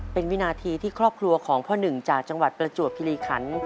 เป็นวินาทีที่ครอบครัวของพ่อหนึ่งจากจังหวัดประจวบคิริขัน